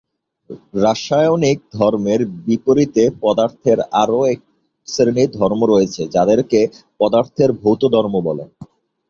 রাসায়নিক ধর্মের বিপরীতে পদার্থের আরও এক শ্রেণীর ধর্ম আছে, যাদেরকে পদার্থের ভৌত ধর্ম বলে।